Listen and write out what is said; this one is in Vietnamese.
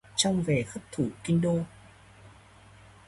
Trong Vè Thất thủ Kinh đô